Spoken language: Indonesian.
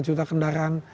delapan belas juta kendaraan